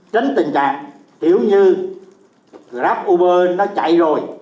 tránh tình trạng kiểu như grab uber nó chạy rồi